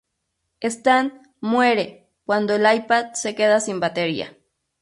Stan "muere" cuando el iPad se queda sin batería.